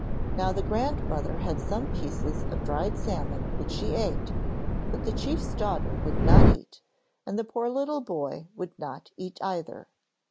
Now the grandmother had some pieces of dried salmon which she ate; but the chief's daughter would not eat, and the poor little boy would not eat either.